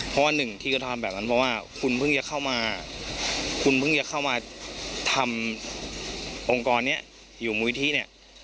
เพราะว่าหนึ่งที่เขาทำแบบนั้นเพราะว่าคุณเพิ่งจะเข้ามาทำองค์กรเนี่ยอยู่มุยที่เนี่ย